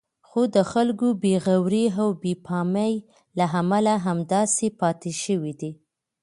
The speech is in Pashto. خو د خلکو بې غورئ او بې پامۍ له امله همداسې پاتې شوی دی.